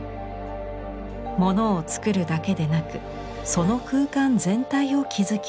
ものを作るだけでなくその空間全体を築き上げる。